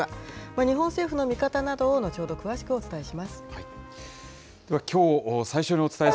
日本政府の見方などを、後ほど詳しくお伝えします。